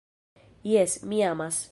Jes, mi amas.